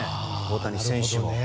大谷選手も。